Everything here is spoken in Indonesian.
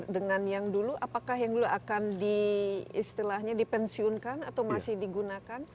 dengan yang dulu apakah yang dulu akan diistilahnya dipensiunkan atau masih digunakan